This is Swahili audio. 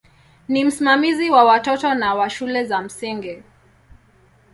Ni msimamizi wa watoto na wa shule za msingi.